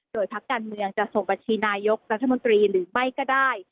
โดยพักการเมืองจะส่งบัญชีนายกรัฐมนตรีหรือไม่ก็ได้